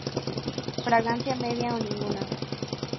Fragancia media o ninguna.